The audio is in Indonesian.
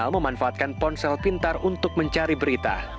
memanfaatkan ponsel pintar untuk mencari berita